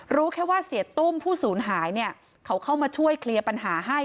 รู้แค่ว่าเสียตุ้มผู้สูญหายเนี่ยเขาเข้ามาช่วยเคลียร์ปัญหาให้